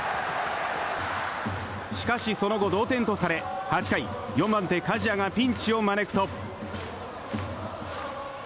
しかしその後、同点とされ８回、４番手、加治屋がピンチを招くと。